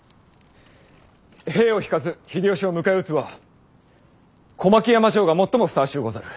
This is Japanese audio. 兵を引かず秀吉を迎え撃つは小牧山城が最もふさわしゅうござる。